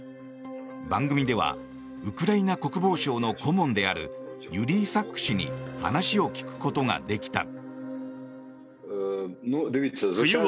番組ではウクライナ国防省の顧問であるユリー・サック氏に話を聞くことができた。